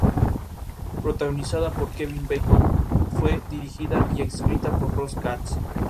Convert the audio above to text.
Protagonizada por Kevin Bacon, fue dirigida y escrita por Ross Katz.